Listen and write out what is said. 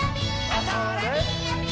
あ、それっ。